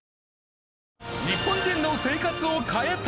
日本人の生活を変えた！